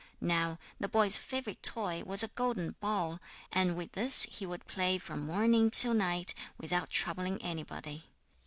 Now the boy's favourite toy was a golden ball, and with this he would play from morning till night, without troubling anybody.